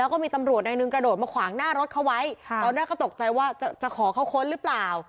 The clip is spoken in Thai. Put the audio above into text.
กระโดดมาขวางหน้ารถเขาไว้ตอนนั้นก็ตกใจว่าจะจะขอเขาค้นหรือเปล่า